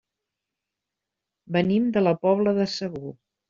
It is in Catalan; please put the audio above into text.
Venim de la Pobla de Segur.